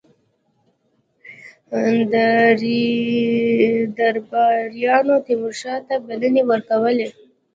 درباریانو تیمورشاه ته بلنې ورکولې.